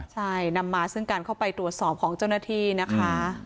ใช่นำมาซึ่งการเข้าไปตรวจสอบของเจ้าหน้าที่นะคะ